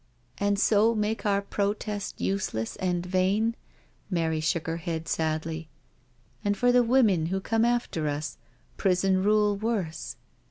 " And so make our protest useless and vain?" — Mary shook her head sadly —" and for the women who come after us, prison rule worse.